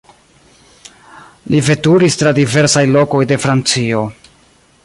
Li veturis tra diversaj lokoj de Francio.